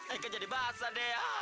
aku jadi basah deh